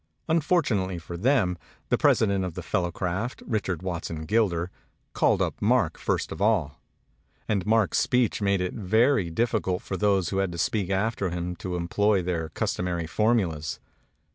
Unfortunately for them the president of the Fellowcraft, Richard Watson Gilder, called up Mark first of all ; and Mark's speech made it very difficult for those who had to speak after him to employ their cus tomary formulas.